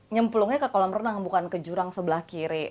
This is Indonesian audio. nyemplungnya ke kolam renang bukan ke jurang sebelah kiri